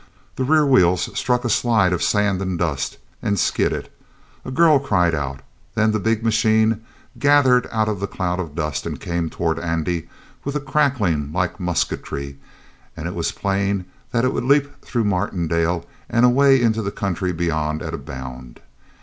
The rear wheels struck a slide of sand and dust, and skidded; a girl cried out; then the big machine gathered out of the cloud of dust, and came toward Andy with a crackling like musketry, and it was plain that it would leap through Martindale and away into the country beyond at a bound.